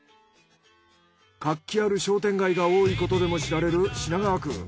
活気ある商店街が多いことでも知られる品川区。